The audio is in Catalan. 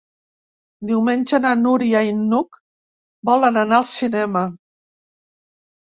Diumenge na Núria i n'Hug volen anar al cinema.